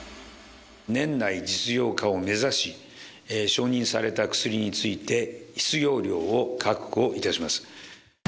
年内実用化を目指し、承認された薬について、必要量を確保いたします。